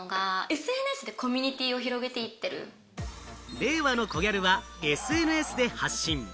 令和のコギャルはＳＮＳで発信。